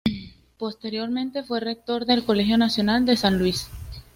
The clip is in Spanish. Posteriormente fue Rector del Colegio Nacional de San Luis.